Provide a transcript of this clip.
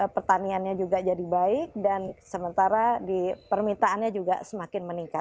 pertaniannya juga jadi baik dan sementara di permintaannya juga semakin meningkat